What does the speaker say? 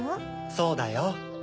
そうだよ。